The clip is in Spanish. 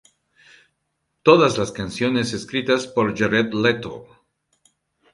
Todas las canciones escritas por Jared Leto.